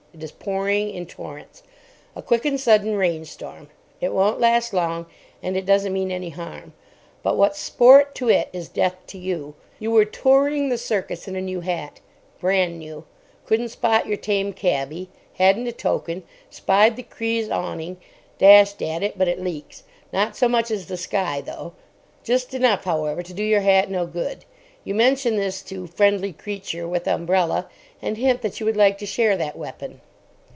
It is pouring in torrents. A quick and sudden rain storm. It won't last long, and it doesn't mean any harm. But what's sport to it is death to you. You were touring the Circus in a new hat. Brand new. Couldn't spot your tame cabby. Hadn't a token. Spied the Cri's awning. Dashed at it. But it leaks. Not so much as the sky though. Just enough, however, to do your hat no good. You mention this to Friendly Creature with umbrella, and hint that you would like to share that weapon.)